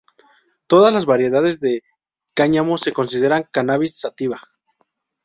Todas la variedades de cáñamo se consideran Cannabis sativa.